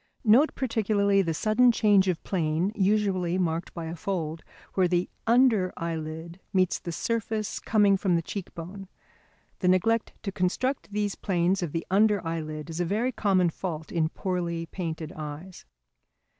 Note particularly the sudden change of plane usually marked by a fold, where the under eyelid meets the surface coming from the cheek bone. The neglect to construct these planes of the under eyelid is a very common fault in poorly painted eyes.